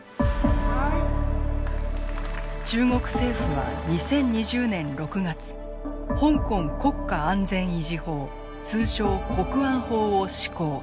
中国政府は２０２０年６月香港国家安全維持法通称国安法を施行。